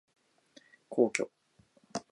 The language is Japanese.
皇居